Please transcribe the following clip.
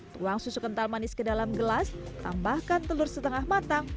tuang susu kental manis ke dalam gelas tambahkan telur setengah matang